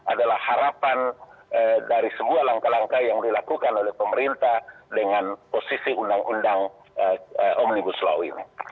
adalah harapan dari sebuah langkah langkah yang dilakukan oleh pemerintah dengan posisi undang undang omnibus law ini